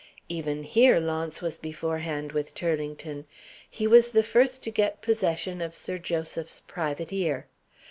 Even here, Launce was beforehand with Turlington. He was the first to get possession of Sir Joseph's private ear.